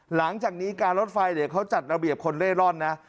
หลังจากนี้การรถไฟเดี๋ยวเขาจัดระเบียบคนเล่ร่อนนะ